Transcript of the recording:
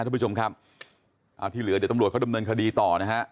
ทุกผู้ชมครับเอาที่เหลือเดี๋ยวตำรวจเขาดำเนินคดีต่อนะฮะ